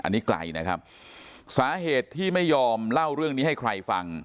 อันนี้ไกลนะครับสาเหตุที่ไม่ยอมเล่าเรื่องนี้ให้ใครฟัง